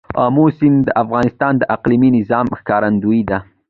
آمو سیند د افغانستان د اقلیمي نظام ښکارندوی دی.